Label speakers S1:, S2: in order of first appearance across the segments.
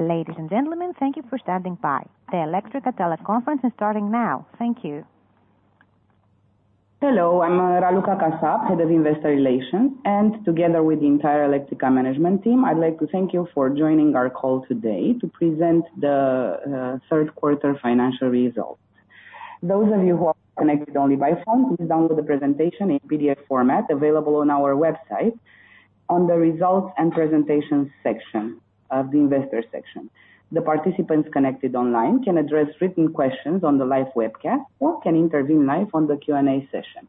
S1: Ladies and gentlemen, thank you for standing by. The Electrica teleconference is starting now. Thank you.
S2: Hello, I'm Raluca Kasap, Head of Investor Relations, and together with the entire Electrica management team, I'd like to thank you for joining our call today to present the Q3 financial results. Those of you who are connected only by phone, please download the presentation in PDF format available on our website under Results and Presentations section of the Investor section. The participants connected online can address written questions on the live webcast or can intervene live on the Q&A session.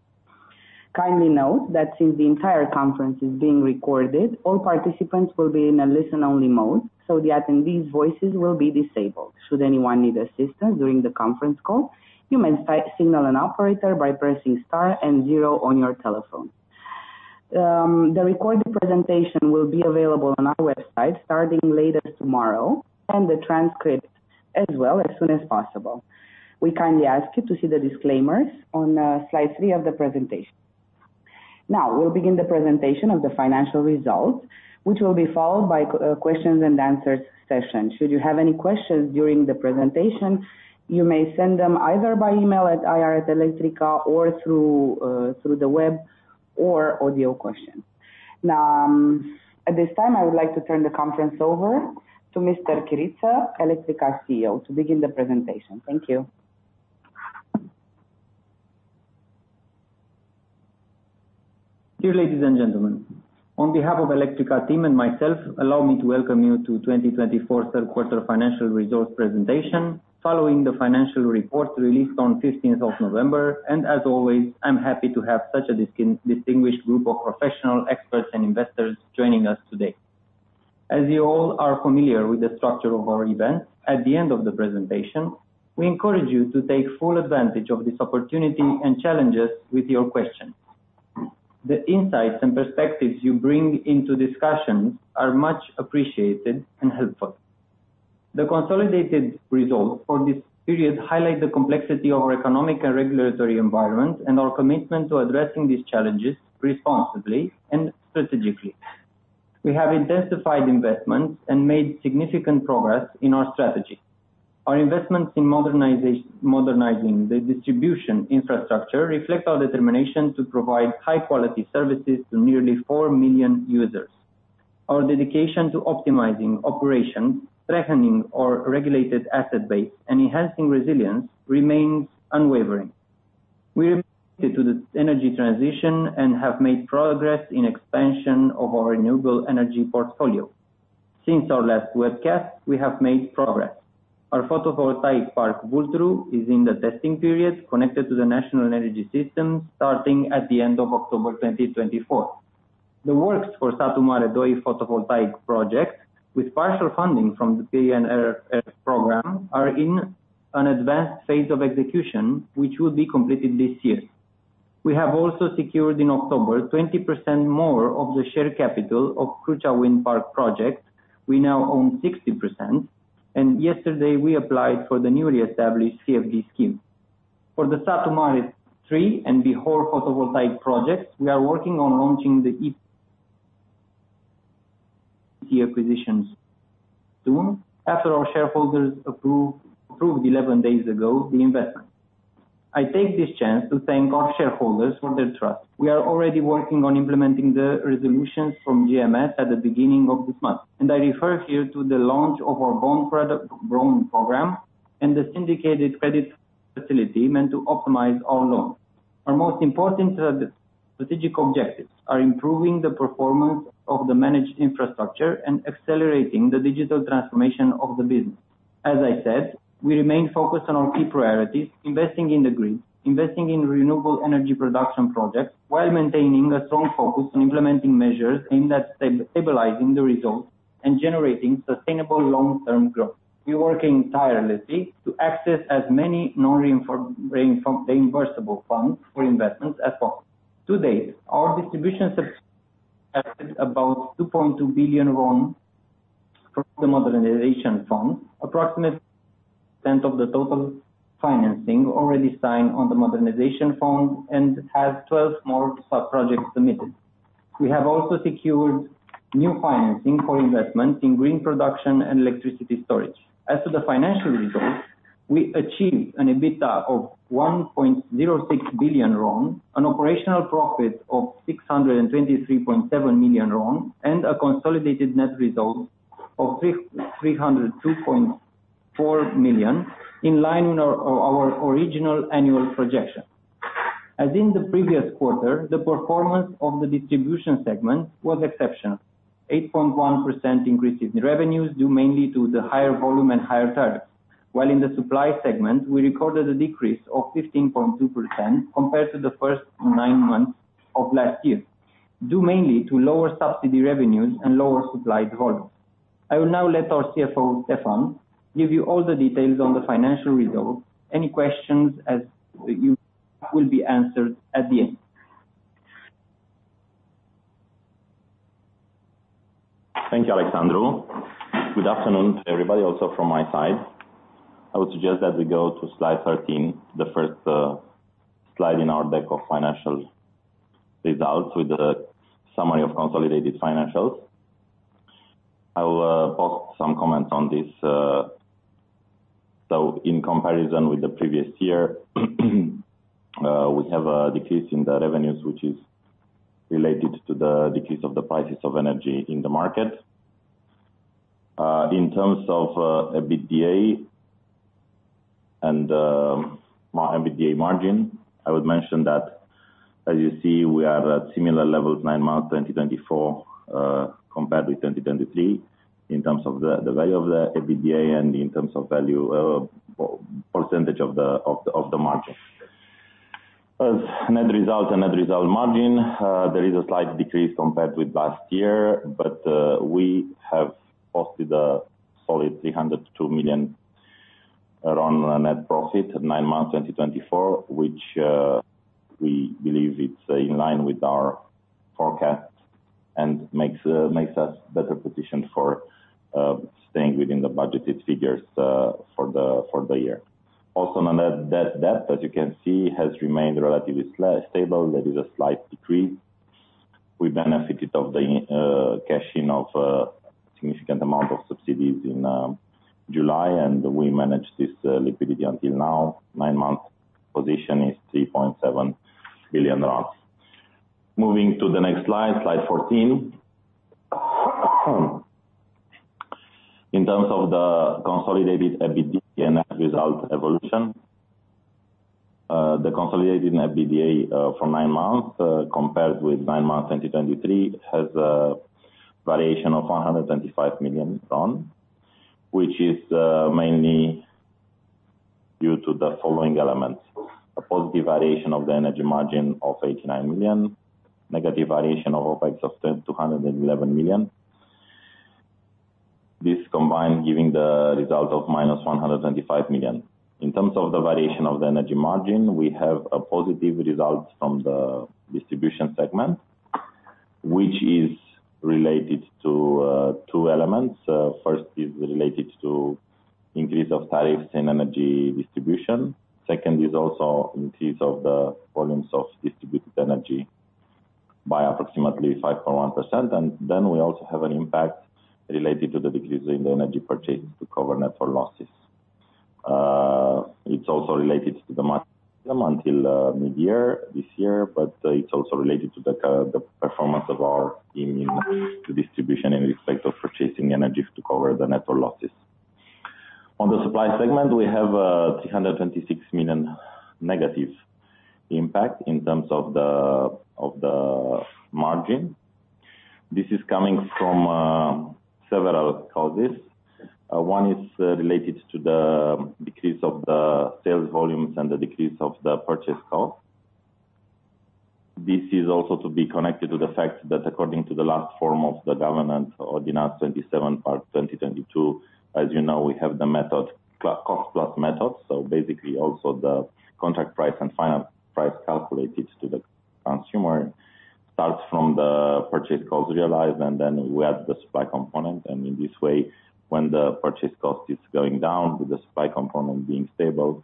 S2: Kindly note that since the entire conference is being recorded, all participants will be in a listen-only mode, so the attendees' voices will be disabled. Should anyone need assistance during the conference call, you may signal an operator by pressing star and zero on your telephone. The recorded presentation will be available on our website starting later tomorrow, and the transcript as well as soon as possible. We kindly ask you to see the disclaimers on slide three of the presentation. Now, we'll begin the presentation of the financial results, which will be followed by a questions and answers session. Should you have any questions during the presentation, you may send them either by email at iar@electrica.org through the web or audio questions. Now, at this time, I would like to turn the conference over to Mr. Chiriță, Electrica CEO, to begin the presentation. Thank you.
S3: Dear ladies and gentlemen, on behalf of the Electrica team and myself, allow me to welcome you to the 2024 Q3 financial results presentation following the financial report released on the 15th of November, and as always, I'm happy to have such a distinguished group of professional experts and investors joining us today. As you all are familiar with the structure of our event, at the end of the presentation, we encourage you to take full advantage of this opportunity and challenge us with your questions. The insights and perspectives you bring into discussions are much appreciated and helpful. The consolidated results for this period highlight the complexity of our economic and regulatory environment and our commitment to addressing these challenges responsibly and strategically. We have intensified investments and made significant progress in our strategy. Our investments in modernizing the distribution infrastructure reflect our determination to provide high-quality services to nearly 4 million users. Our dedication to optimizing operations, strengthening our regulated asset base, and enhancing resilience remains unwavering. We are committed to the energy transition and have made progress in the expansion of our renewable energy portfolio. Since our last webcast, we have made progress. Our photovoltaic park, Vulturu, is in the testing period, connected to the national energy system starting at the end of October 2024. The works for Satu Mare 2 Photovoltaic Project, with partial funding from the PNRR program, are in an advanced phase of execution, which will be completed this year. We have also secured in October 20% more of the share capital of the Crucea Wind Park project. We now own 60%, and yesterday we applied for the newly established CfD scheme. For the Satu Mare Three and Bihor Photovoltaic Project, we are working on launching the EPC acquisitions soon, after our shareholders approved 11 days ago the investment. I take this chance to thank our shareholders for their trust. We are already working on implementing the resolutions from GMS at the beginning of this month, and I refer here to the launch of our bond program and the syndicated credit facility meant to optimize our loan. Our most important strategic objectives are improving the performance of the managed infrastructure and accelerating the digital transformation of the business. As I said, we remain focused on our key priorities: investing in the grid, investing in renewable energy production projects, while maintaining a strong focus on implementing measures aimed at stabilizing the results and generating sustainable long-term growth. We are working tirelessly to access as many non-reimbursable funds for investments as possible. To date, our distribution subsidy has been about RON 2.2 billion from the modernization fund, approximately 10% of the total financing already signed on the modernization fund, and has 12 more sub-projects submitted. We have also secured new financing for investments in green production and electricity storage. As to the financial results, we achieved an EBITDA of RON 1.06 billion, an operational profit of RON 623.7 million, and a consolidated net result of RON 302.4 million, in line with our original annual projection. As in the previous quarter, the performance of the distribution segment was exceptional: 8.1% increase in revenues, due mainly to the higher volume and higher tariffs, while in the supply segment, we recorded a decrease of 15.2% compared to the first nine months of last year, due mainly to lower subsidy revenues and lower supply volume. I will now let our CFO, Ștefan, give you all the details on the financial results. Any questions will be answered at the end.
S4: Thank you, Alexandru. Good afternoon to everybody, also from my side. I would suggest that we go to slide 13, the first slide in our deck of financial results with the summary of consolidated financials. I will pose some comments on this, so in comparison with the previous year, we have a decrease in the revenues, which is related to the decrease of the prices of energy in the market. In terms of EBITDA and EBITDA margin, I would mention that, as you see, we are at similar levels nine months 2024 compared with 2023 in terms of the value of the EBITDA and in terms of value percentage of the margin. As net result and net result margin, there is a slight decrease compared with last year, but we have posted a solid 302 million RON net profit nine months 2024, which we believe is in line with our forecast and makes us better positioned for staying within the budgeted figures for the year. Also, on that debt, as you can see, has remained relatively stable. There is a slight decrease. We benefited from the cashing of a significant amount of subsidies in July, and we managed this liquidity until now. Nine-month position is RON 3.7 billion. Moving to the next slide, slide 14. In terms of the consolidated EBITDA and net result evolution, the consolidated EBITDA for nine months compared with nine months 2023 has a variation of RON 125 million, which is mainly due to the following elements: a positive variation of the energy margin of RON 89 million, a negative variation of OPEX of RON 211 million. This combined gives the result of minus 125 million. In terms of the variation of the energy margin, we have a positive result from the distribution segment, which is related to two elements. First is related to the increase of tariffs in energy distribution. Second is also an increase of the volumes of distributed energy by approximately 5.1%, and then we also have an impact related to the decrease in the energy purchase to cover network losses. It's also related to the margin until mid-year this year, but it's also related to the performance of our team in the distribution in respect of purchasing energy to cover the network losses. On the supply segment, we have a RON 326 million negative impact in terms of the margin. This is coming from several causes. One is related to the decrease of the sales volumes and the decrease of the purchase cost. This is also to be connected to the fact that, according to the last form of the government ordinance 27 of 2022, as you know, we have the cost-plus method. So basically, also the contract price and final price calculated to the consumer starts from the purchase cost realized, and then we add the supply component. And in this way, when the purchase cost is going down, with the supply component being stable,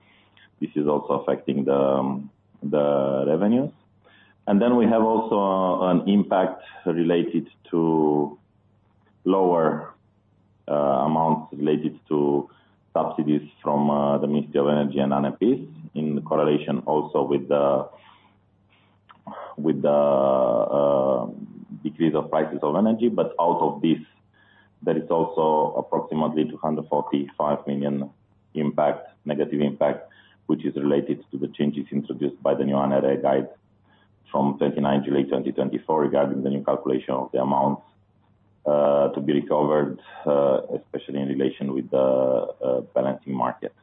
S4: this is also affecting the revenues. And then we have also an impact related to lower amounts related to subsidies from the Ministry of Energy and ANPIS in correlation also with the decrease of prices of energy. But out of this, there is also approximately RON 245 million impact, negative impact, which is related to the changes introduced by the new NRA guide from 29 July 2024 regarding the new calculation of the amounts to be recovered, especially in relation with the balancing market.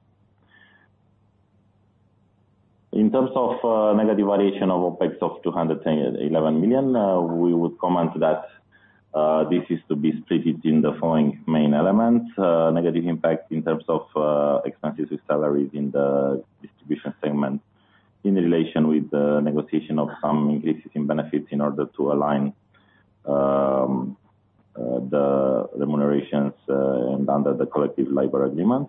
S4: In terms of negative variation of OPEX of RON 211 million, we would comment that this is to be split in the following main elements: negative impact in terms of expenses with salaries in the distribution segment in relation with the negotiation of some increases in benefits in order to align the remunerations under the collective labor agreement.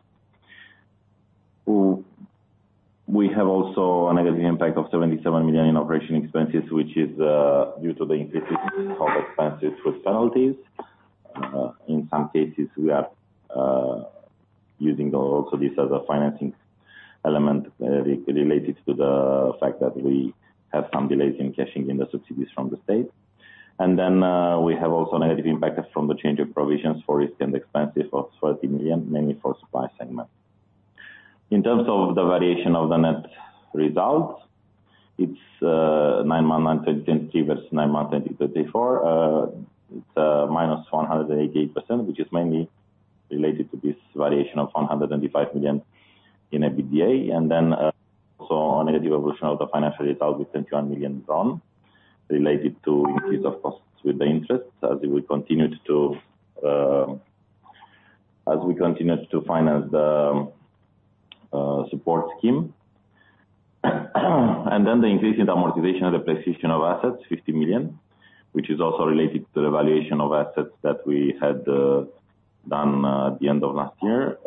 S4: We have also a negative impact of RON 77 million in operating expenses, which is due to the increases of expenses with penalties. In some cases, we are using also this as a financing element related to the fact that we have some delays in cashing in the subsidies from the state. And then we have also negative impact from the change of provisions for risk and expenses of RON 30 million, mainly for the supply segment. In terms of the variation of the net result, it's nine months 2023 versus nine months 2024. It's minus 188%, which is mainly related to this variation of RON 125 million in EBITDA. And then also a negative evolution of the financial result with RON 21 million related to increase of costs with the interest as we continued to finance the support scheme. Then the increase in amortization and depreciation of assets, RON 50 million, which is also related to the evaluation of assets that we had done at the end of last year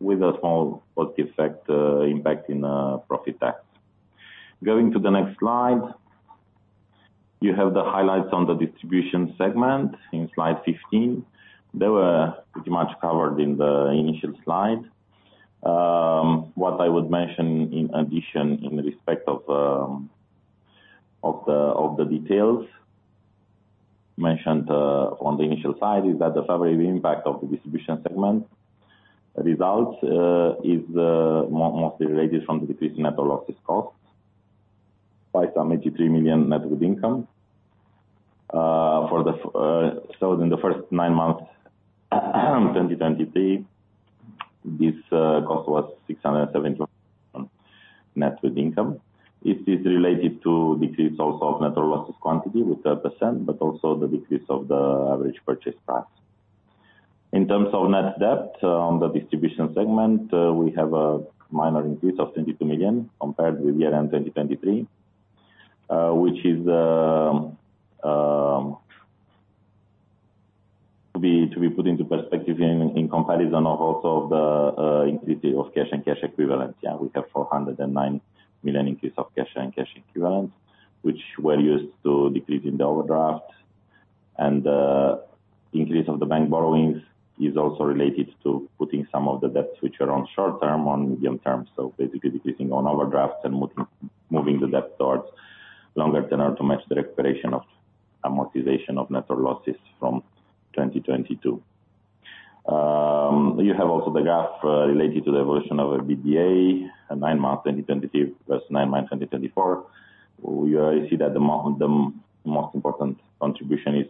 S4: with a small positive effect impact in profit tax. Going to the next slide, you have the highlights on the distribution segment in slide 15. They were pretty much covered in the initial slide. What I would mention in addition in respect of the details mentioned on the initial slide is that the favorable impact of the distribution segment results is mostly related from the decrease in network losses cost by some RON 83 million net with income. So in the first nine months 2023, this cost was RON 671 million net with income. This is related to decrease also of network losses quantity with 12%, but also the decrease of the average purchase price. In terms of net debt, on the distribution segment, we have a minor increase of RON 22 million compared with year-end 2023, which is to be put into perspective in comparison with also the increase of cash and cash equivalents. Yeah, we have RON 409 million increase of cash and cash equivalents, which were used to decrease in the overdraft. And the increase of the bank borrowings is also related to putting some of the debts which are on short term on medium term. So basically decreasing on overdrafts and moving the debt towards longer term to match the recuperation of amortization of network losses from 2022. You have also the graph related to the evolution of EBITDA nine months 2023 versus nine months 2024. You see that the most important contribution is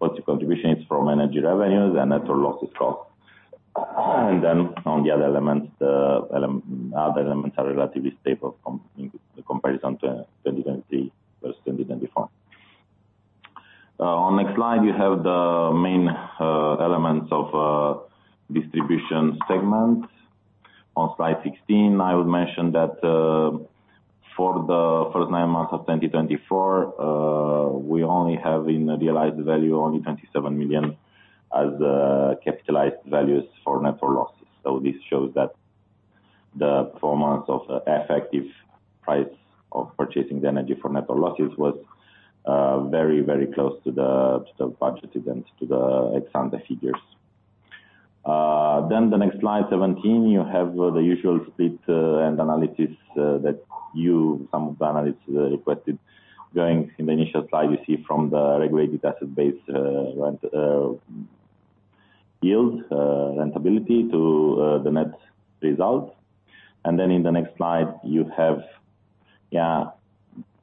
S4: positive contribution is from energy revenues and network losses cost. Then on the other elements, the other elements are relatively stable in comparison to 2023 versus 2024. On the next slide, you have the main elements of distribution segment. On slide 16, I would mention that for the first nine months of 2024, we have in realized value only RON 27 million as capitalized values for network losses. So this shows that the performance of the effective price of purchasing the energy for network losses was very, very close to the budgeted and to the exact figures. Then the next slide 17, you have the usual split and analysis that you, some of the analysts requested. Going in the initial slide, you see from the regulated asset base yield rentability to the net result. And then, in the next slide, you have, yeah,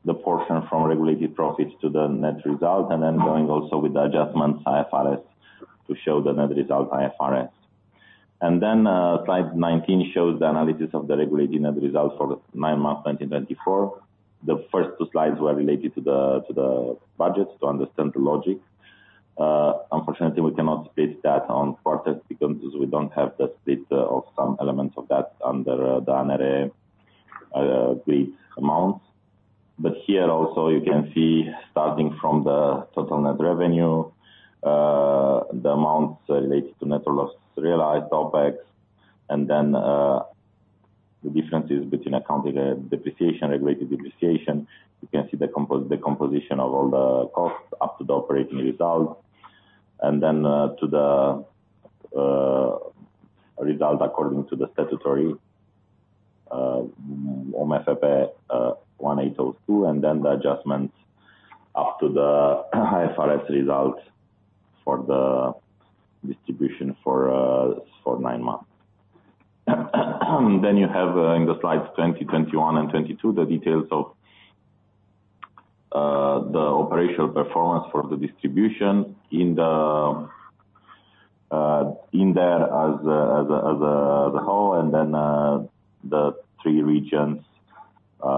S4: the portion from regulated profits to the net result, and then going also with the adjustment IFRS to show the net result IFRS. And then, slide 19 shows the analysis of the regulated net result for nine months 2024. The first two slides were related to the budgets to understand the logic. Unfortunately, we cannot split that on quarters because we don't have the split of some elements of that under the NRA agreed amounts. But here also, you can see starting from the total net revenue, the amounts related to network losses realized, OPEX, and then the differences between accounting depreciation, regulated depreciation. You can see the composition of all the costs up to the operating result, and then to the result according to the statutory OMFP 1802, and then the adjustments up to the IFRS result for the distribution for nine months. Then you have in the slides 21 and 22 the details of the operational performance for the distribution in there as a whole, and then the three regions as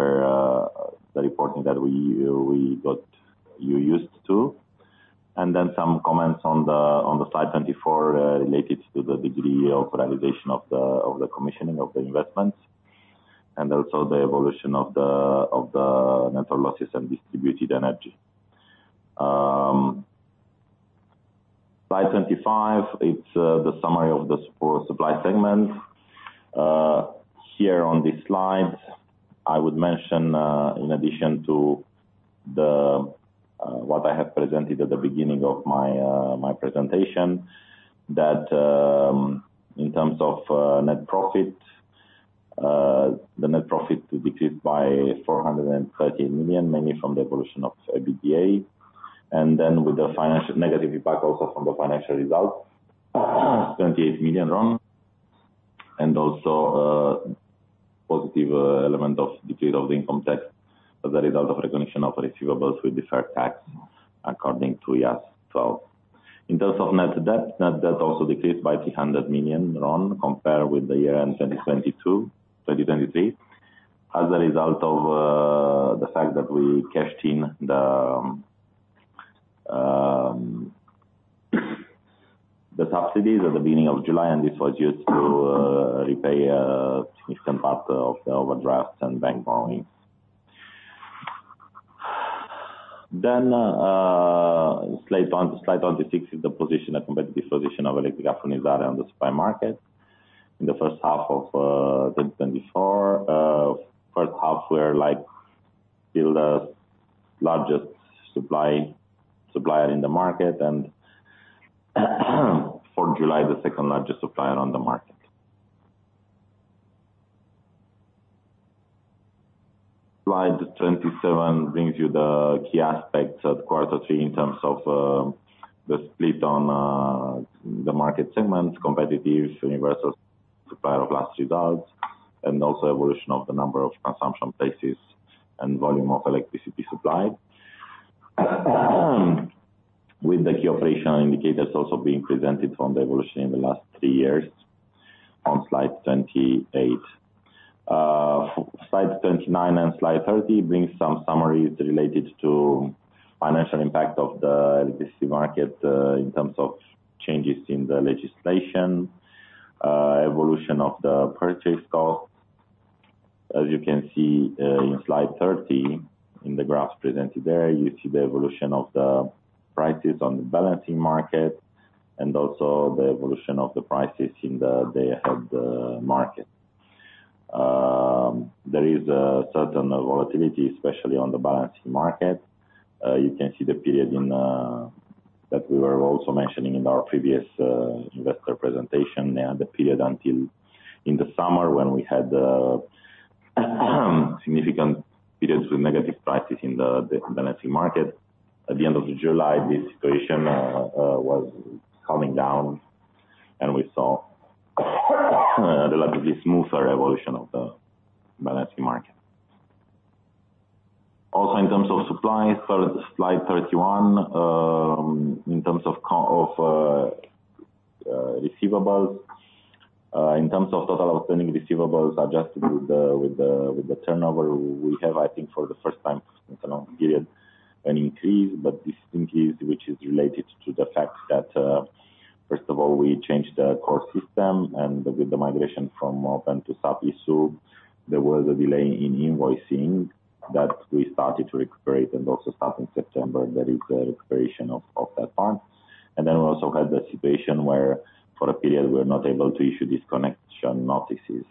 S4: per the reporting that we got used to, and then some comments on the slide 24 related to the degree of realization of the commissioning of the investments, and also the evolution of the network losses and distributed energy. Slide 25, it's the summary of the supply segment. Here on this slide, I would mention, in addition to what I have presented at the beginning of my presentation, that in terms of net profit, the net profit decreased by 438 million RON, mainly from the evolution of EBITDA, and then with the negative impact also from the financial result, 28 million RON, and also a positive element of decrease of the income tax as a result of recognition of receivables with deferred tax according to IAS 12. In terms of net debt, net debt also decreased by 300 million RON compared with the year-end 2022, 2023, as a result of the fact that we cashed in the subsidies at the beginning of July, and this was used to repay a significant part of the overdrafts and bank borrowings. Then slide 26 is the position, the competitive position of Electrica Furnizare on the supply market in the first half of 2024. First half, we're still the largest supplier in the market, and for July, the second largest supplier on the market. Slide 27 brings you the key aspects at quarter three in terms of the split on the market segments, competitive, universal supplier of last resort, and also evolution of the number of consumption places and volume of electricity supplied, with the key operational indicators also being presented from the evolution in the last three years on slide 28. Slide 29 and slide 30 bring some summaries related to financial impact of the electricity market in terms of changes in the legislation, evolution of the purchase cost. As you can see in slide 30, in the graph presented there, you see the evolution of the prices on the balancing market and also the evolution of the prices in the day-ahead market. There is a certain volatility, especially on the balancing market. You can see the period that we were also mentioning in our previous investor presentation, the period until in the summer when we had significant periods with negative prices in the balancing market. At the end of July, this situation was coming down, and we saw a relatively smoother evolution of the balancing market. Also in terms of supply, slide 31, in terms of receivables, in terms of total outstanding receivables adjusted with the turnover, we have, I think, for the first time in a long period, an increase. But this increase, which is related to the fact that, first of all, we changed the core system, and with the migration from open to SAP IS-U, there was a delay in invoicing that we started to recuperate. And also starting September, there is a recuperation of that part. And then we also had the situation where for a period, we were not able to issue disconnection notices,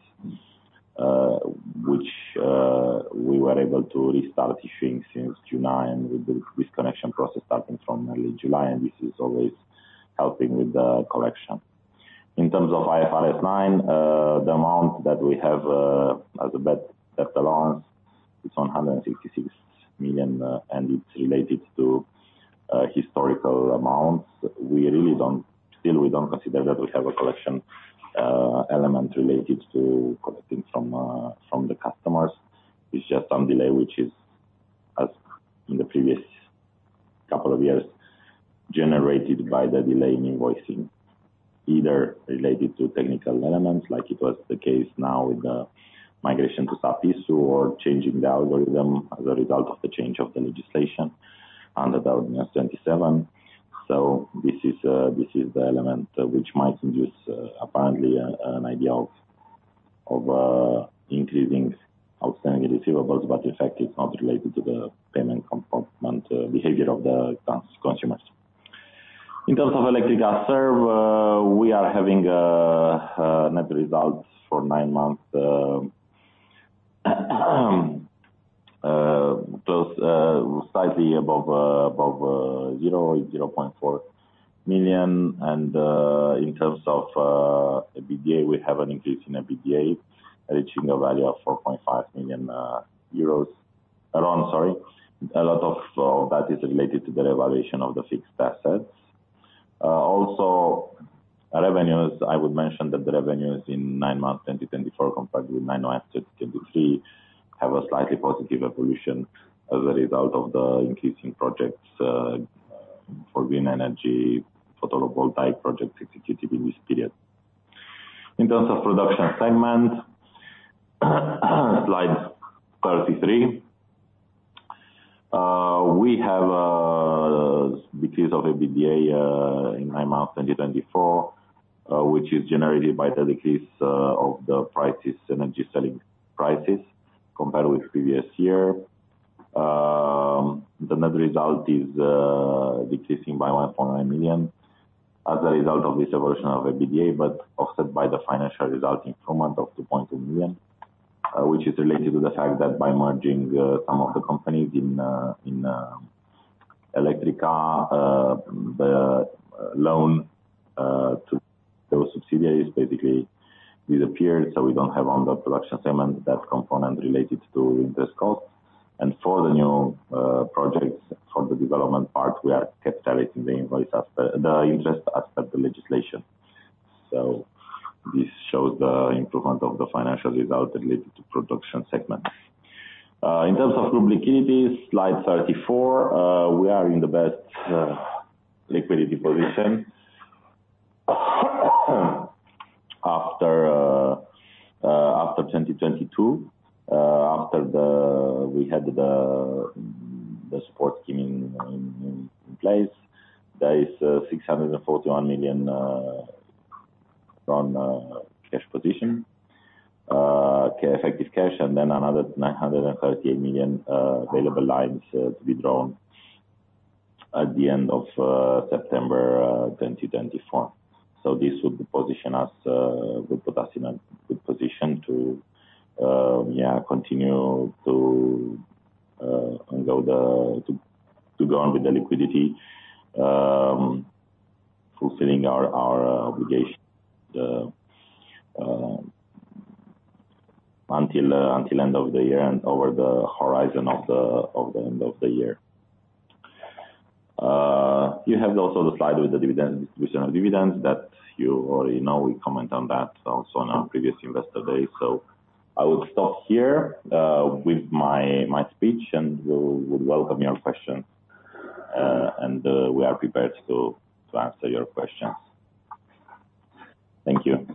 S4: which we were able to restart issuing since June, and with the disconnection process starting from early July, and this is always helping with the collection. In terms of IFRS 9, the amount that we have as a debt allowance, it's RON 166 million, and it's related to historical amounts. We really don't still, we don't consider that we have a collection element related to collecting from the customers. It's just some delay, which is, as in the previous couple of years, generated by the delay in invoicing, either related to technical elements, like it was the case now with the migration to SAP IS-U, or changing the algorithm as a result of the change of the legislation under the 27. So this is the element which might induce apparently an idea of increasing outstanding receivables, but in fact, it's not related to the payment compartment behavior of the consumers. In terms of Electrica Serv S.A., we are having net results for nine months slightly above zero, RON 0.4 million. And in terms of EBITDA, we have an increase in EBITDA reaching a value of 4.5 million euros around, sorry. A lot of that is related to the evaluation of the fixed assets. Also, revenues. I would mention that the revenues in nine months 2024 compared with nine months 2023 have a slightly positive evolution as a result of the increasing projects for green energy, photovoltaic projects executed in this period. In terms of production segment, slide 33, we have a decrease of EBITDA in nine months 2024, which is generated by the decrease of the prices, energy selling prices compared with previous year. The net result is decreasing by RON 1.9 million as a result of this evolution of EBITDA, but offset by the financial result improvement of RON 2.2 million, which is related to the fact that by merging some of the companies in Electrica, the loan to those subsidiaries basically disappeared. So we don't have on the production segment that component related to interest costs. For the new projects, for the development part, we are capitalizing the interest aspect of the legislation. This shows the improvement of the financial result related to production segments. In terms of liquidity, slide 34, we are in the best liquidity position after 2022. After we had the support scheme in place, there is 641 million RON cash position, effective cash, and then another 938 million available lines to be drawn at the end of September 2024. This would position us, would put us in a good position to, yeah, continue to go on with the liquidity, fulfilling our obligation until the end of the year and over the horizon of the end of the year. You have also the slide with the distribution of dividends that you already know. We comment on that also on our previous investor day. I would stop here with my speech and would welcome your questions. We are prepared to answer your questions. Thank you.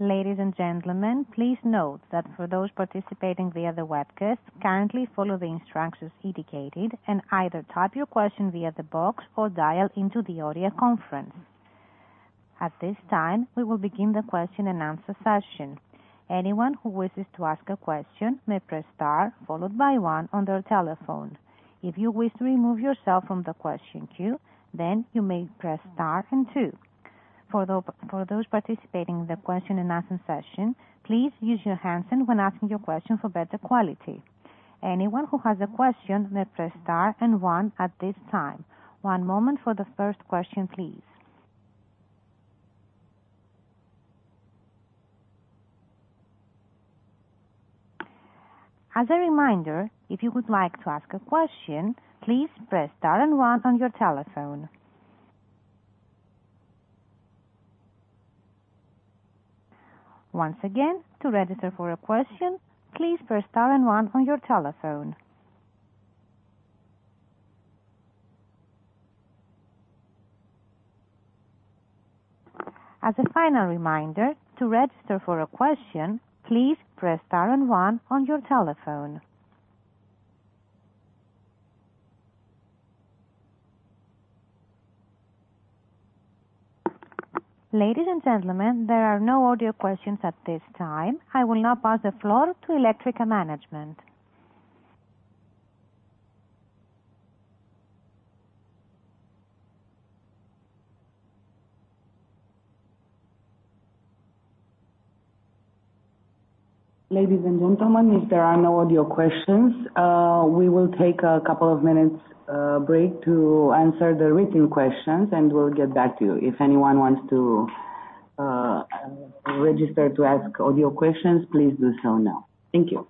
S1: Ladies and gentlemen, please note that for those participating via the webcast, kindly follow the instructions indicated and either type your question via the box or dial into the audio conference. At this time, we will begin the question and answer session. Anyone who wishes to ask a question may press star followed by one on their telephone. If you wish to remove yourself from the question queue, then you may press star and two. For those participating in the question and answer session, please use your handset when asking your question for better quality. Anyone who has a question may press star and one at this time. One moment for the first question, please. As a reminder, if you would like to ask a question, please press star and one on your telephone. Once again, to register for a question, please press star and one on your telephone. As a final reminder, to register for a question, please press star and one on your telephone. Ladies and gentlemen, there are no audio questions at this time. I will now pass the floor to Electrica Management.
S2: Ladies and gentlemen, if there are no audio questions, we will take a couple of minutes break to answer the written questions, and we'll get back to you. If anyone wants to register to ask audio questions, please do so now. Thank you.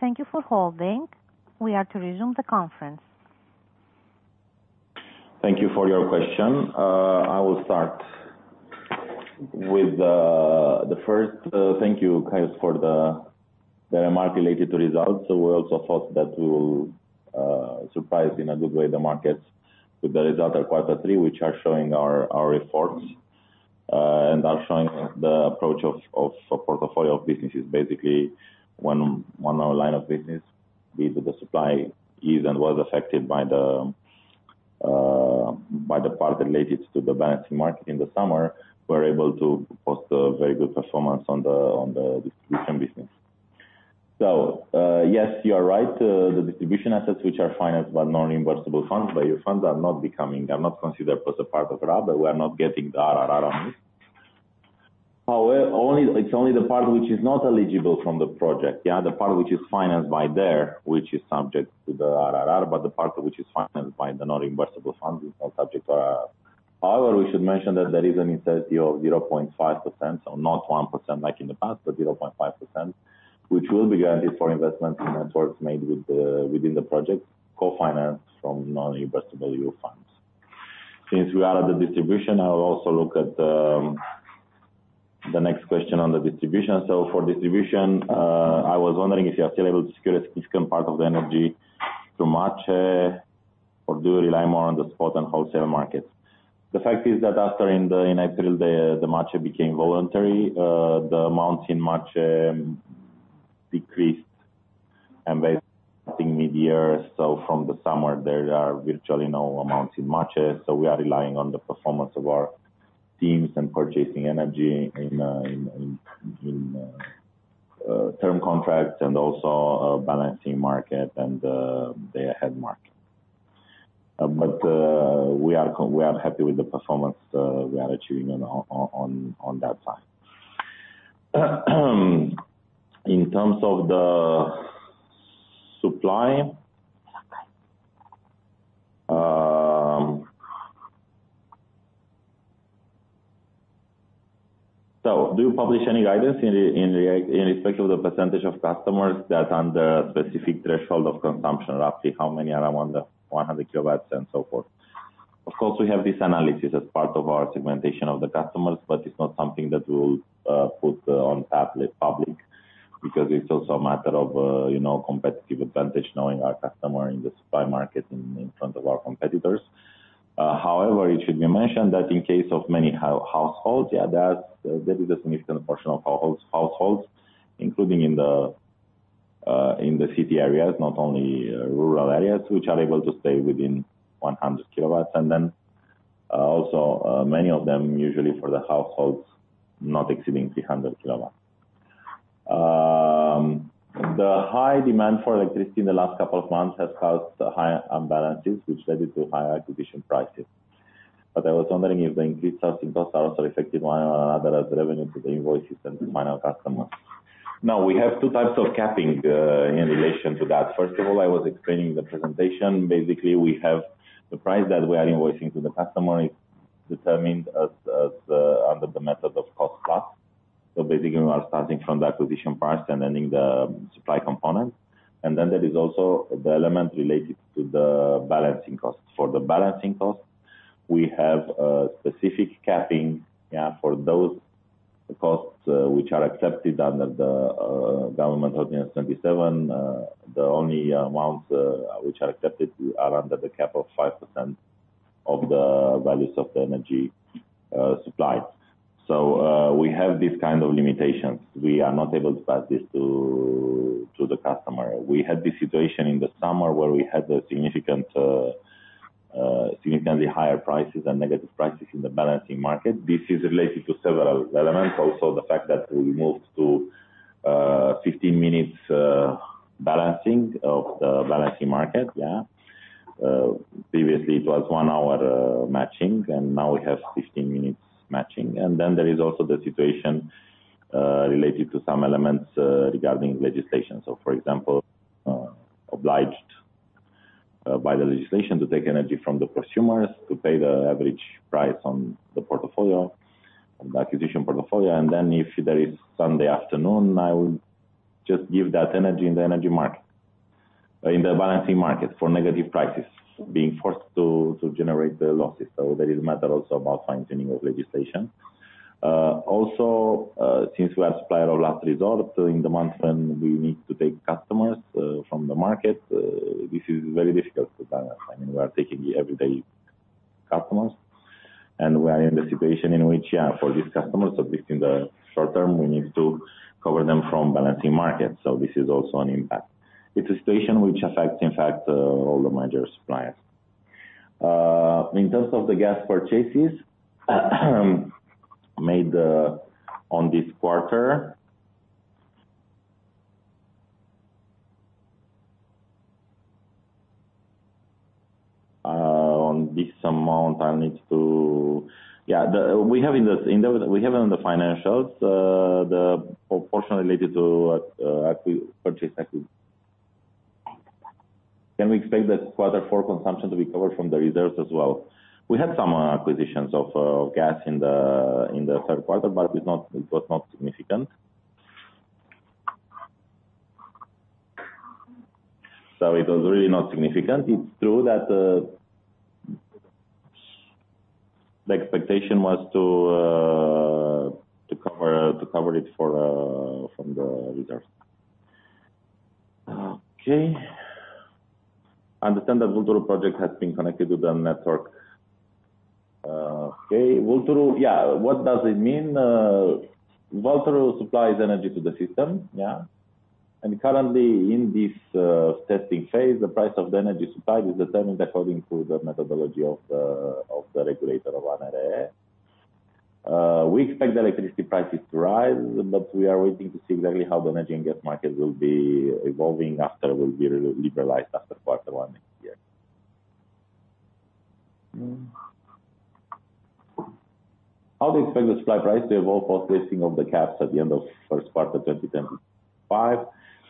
S1: Ladies and gentlemen, thank you for holding. We are to resume the conference.
S4: Thank you for your question. I will start with the first. Thank you, Kaius, for the remark related to results. We also thought that we will surprise in a good way the markets with the result of quarter three, which are showing our reports and are showing the approach of a portfolio of businesses. Basically, one line of business, be it the supply, is and was affected by the part related to the balancing market in the summer. We were able to post a very good performance on the distribution business. Yes, you are right. The distribution assets, which are financed by non-reimbursable funds, by EU funds, are not considered as a part of RAB, but we are not getting the RRR on it. It's only the part which is not eligible from the project, yeah, the part which is financed by them, which is subject to the RRR, but the part which is financed by the non-reimbursable funds is not subject to RRR. However, we should mention that there is an incentive of 0.5%, so not 1% like in the past, but 0.5%, which will be granted for investments in networks made within the projects, co-financed from non-reversible funds. Since we are at the distribution, I will also look at the next question on the distribution. So for distribution, I was wondering if you are still able to secure a significant part of the energy through MACEE or do you rely more on the spot and wholesale markets? The fact is that after in April, the MACEE became voluntary, the amounts in MACEE decreased and by mid-year, so from the summer, there are virtually no amounts in MACEE. So we are relying on the performance of our teams and purchasing energy in term contracts and also balancing market and day-ahead market. We are happy with the performance we are achieving on that side. In terms of the supply, so do you publish any guidance in respect of the percentage of customers that under specific threshold of consumption, roughly how many are among the 100 kilowatts and so forth? Of course, we have this analysis as part of our segmentation of the customers, but it's not something that we will put on public because it's also a matter of competitive advantage knowing our customer in the supply market in front of our competitors. However, it should be mentioned that in case of many households, yeah, there is a significant portion of households, including in the city areas, not only rural areas, which are able to stay within 100 kilowatts. Then also many of them usually for the households not exceeding 300 kilowatts. The high demand for electricity in the last couple of months has caused high imbalances, which led to higher acquisition prices. But I was wondering if the increased sourcing costs are also affected one or another as revenue to the invoices and the final customers. Now, we have two types of capping in relation to that. First of all, I was explaining the presentation. Basically, we have the price that we are invoicing to the customer is determined under the method of cost plus. So basically, we are starting from the acquisition price and ending the supply component. And then there is also the element related to the balancing cost. For the balancing cost, we have a specific capping, yeah, for those costs which are accepted under the government ordinance 27. The only amounts which are accepted are under the cap of 5% of the values of the energy supplied. We have this kind of limitations. We are not able to pass this to the customer. We had this situation in the summer where we had significantly higher prices and negative prices in the balancing market. This is related to several elements, also the fact that we moved to 15 minutes balancing of the balancing market, yeah. Previously, it was one hour matching, and now we have 15 minutes matching. And then there is also the situation related to some elements regarding legislation. So for example, obliged by the legislation to take energy from the prosumers to pay the average price on the portfolio, on the acquisition portfolio. And then if there is surplus, I will just give that energy in the energy market, in the balancing market for negative prices, being forced to generate the losses. So there is matter also about fine-tuning of legislation. Also, since we are Supplier of Last Resort in the month when we need to take customers from the market, this is very difficult to balance. I mean, we are taking everyday customers, and we are in the situation in which, yeah, for these customers, at least in the short term, we need to cover them from balancing markets. So this is also an impact. It's a situation which affects, in fact, all the major suppliers. In terms of the gas purchases made on this quarter, on this amount, I'll need to, yeah, we have in the financials, the portion related to purchase equity. Can we expect the quarter four consumption to be covered from the reserves as well? We had some acquisitions of gas in the Q3, but it was not significant. So it was really not significant. It's true that the expectation was to cover it from the reserves. Okay. I understand that Vulturu project has been connected to the network. Okay. Vulturu, yeah, what does it mean? Vulturu supplies energy to the system, yeah. And currently, in this testing phase, the price of the energy supplied is determined according to the methodology of the regulator, ANRE. We expect the electricity prices to rise, but we are waiting to see exactly how the energy and gas market will be evolving after it will be liberalized after quarter one next year. How do you expect the supply price to evolve post-lifting of the caps at the end of Q1 2025?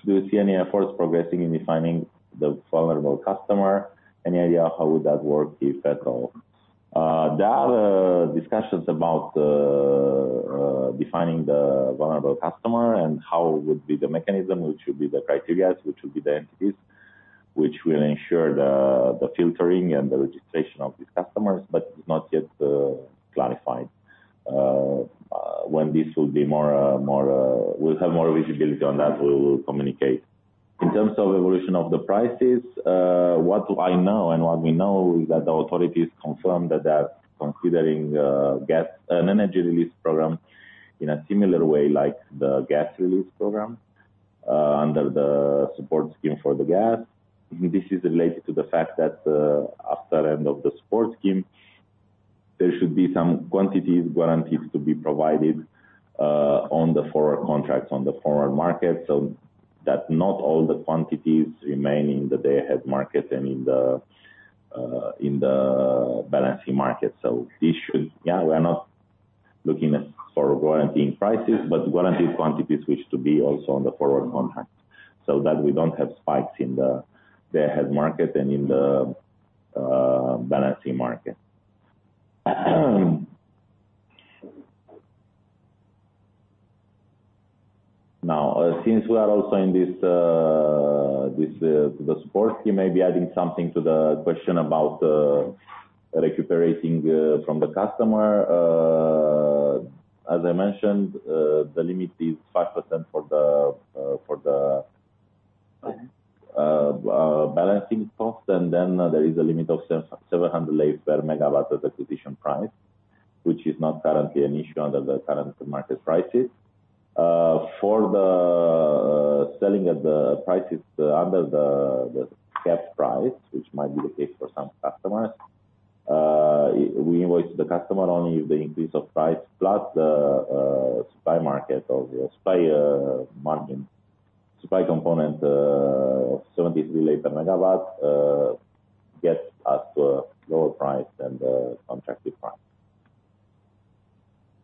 S4: Do you see any efforts progressing in defining the vulnerable customer? Any idea of how would that work, if at all? There are discussions about defining the vulnerable customer and how would be the mechanism, which would be the criteria, which would be the entities which will ensure the filtering and the registration of these customers, but it's not yet clarified. When this will be more, we'll have more visibility on that, we will communicate. In terms of evolution of the prices, what I know and what we know is that the authorities confirmed that they are considering an energy release program in a similar way like the gas release program under the support scheme for the gas. This is related to the fact that after the end of the support scheme, there should be some quantities guaranteed to be provided on the forward contracts on the forward market, so that not all the quantities remain in the day-ahead market and in the balancing market. This should, yeah, we are not looking for guaranteeing prices, but guaranteed quantities which to be also on the forward contract so that we don't have spikes in the day-ahead market and in the balancing market. Now, since we are also in this support scheme, maybe adding something to the question about recuperating from the customer. As I mentioned, the limit is 5% for the balancing cost, and then there is a limit of 700 RON per megawatt at acquisition price, which is not currently an issue under the current market prices. For the selling at the prices under the cap price, which might be the case for some customers, we invoice the customer only if the increase of price plus the supply market or supply component of 73 RON per megawatt gets us to a lower price than the contracted price.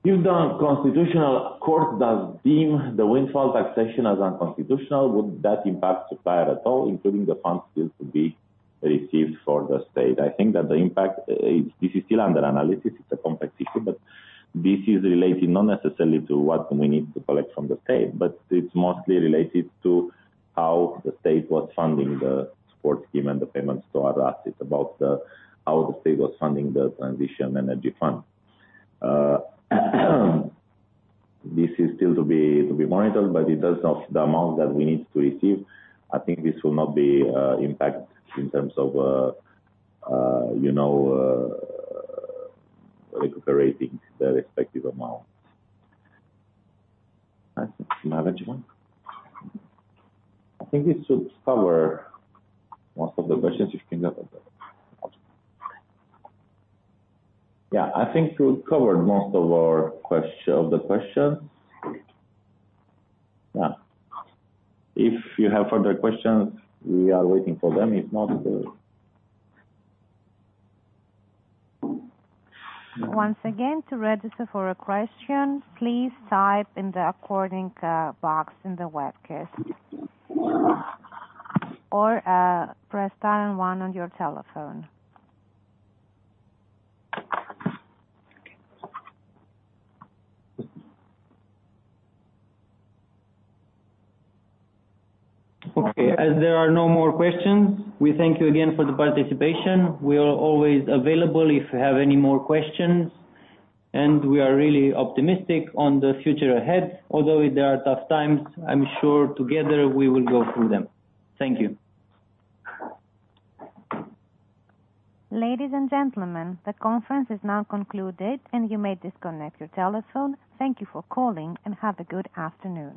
S4: If the Constitutional Court does deem the windfall taxation as unconstitutional, would that impact supplier at all, including the funds still to be received for the state? I think that the impact, this is still under analysis. It's a complex issue, but this is related not necessarily to what we need to collect from the state, but it's mostly related to how the state was funding the support scheme and the payments to our assets about how the state was funding the transition energy fund. This is still to be monitored, but in terms of the amount that we need to receive, I think this will not be impacted in terms of recuperating the respective amount. I think this should cover most of the questions if you think of it. Yeah, I think we've covered most of the questions. Yeah. If you have further questions, we are waiting for them. If not.
S1: Once again, to register for a question, please type in the according box in the webcast or press star and one on your telephone.
S3: Okay. As there are no more questions, we thank you again for the participation. We are always available if you have any more questions, and we are really optimistic on the future ahead. Although there are tough times, I'm sure together we will go through them. Thank you.
S1: Ladies and gentlemen, the conference is now concluded, and you may disconnect your telephone. Thank you for calling, and have a good afternoon.